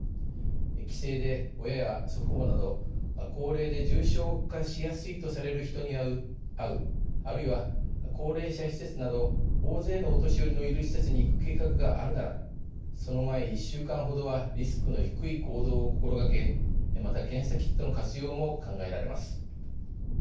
帰省で親や祖父母など高齢で重症化しやすいとされる人に会うあるいは高齢者施設など大勢のお年寄りのいる施設に行く計画があるならその前１週間ほどはリスクの低い行動を心がけまた検査キットの活用も考えられます。